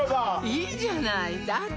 いいじゃないだって